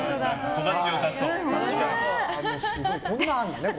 育ち良さそう。